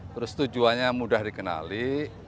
terus tujuannya mudah dikenali